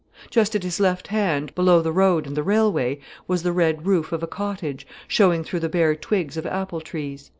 Just at his left hand, below the road and the railway, was the red roof of a cottage, showing through the bare twigs of apple trees.